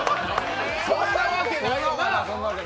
そんなわけないよな！